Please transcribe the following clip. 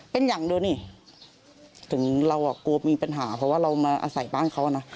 เป็นอย่างเดียวนี่ถึงเราอ่ะกลัวมีปัญหาเพราะว่าเรามาอาศัยบ้านเขานะ